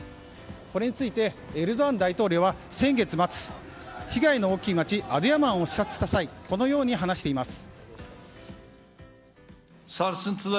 これについてエルドアン大統領は先月末被害の大きい街アドゥヤマンを視察した際このように話しています。